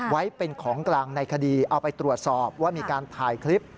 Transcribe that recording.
ไว้เป็นของกลางในคดีเอาไปตรวจสอบว่ามีการถ่ายคลิป